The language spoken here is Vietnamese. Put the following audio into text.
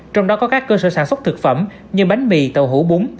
trong đó có các cơ sở sản xuất thực phẩm như bánh mì tàu hủ bún